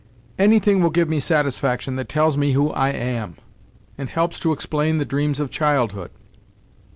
"Anything will give me satisfaction that tells me who I am, and helps to explain the dreams of childhood.